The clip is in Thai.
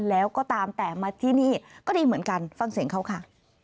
แล้วก็ตามแต่มาที่นี่ก็ดีเหมือนกันฟังเสียงเขาค่ะ